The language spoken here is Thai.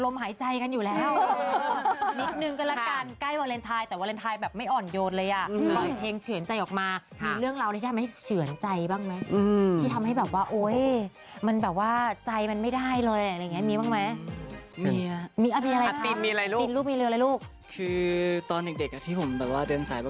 มีอะไรมีอะไรมีอะไรลูกมีอะไรลูกคือตอนเด็กเด็กอ่ะที่ผมแบบว่าเดินสายประกวดอะไรอย่างงี้ใช่ไหมครับ